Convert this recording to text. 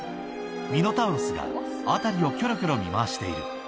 ミノタウロスが辺りをきょろきょろ見回している。